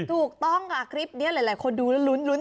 ถูกต้องค่ะคลิปนี้หลายคนดูแล้วลุ้น